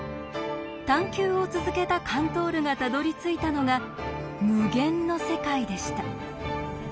探求を続けたカントールがたどりついたのが「無限」の世界でした。